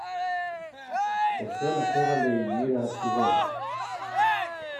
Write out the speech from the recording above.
Εσένα σ' έβαλε η μοίρα αρχηγό.